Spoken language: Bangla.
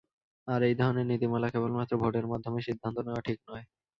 আর এই ধরনের নীতিমালা কেবল মাত্র ভোটের মাধ্যমে সিদ্ধান্ত নেওয়া ঠিক নয়।